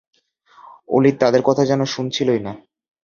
Walid তাদের কথা যেন শুনছিলই না।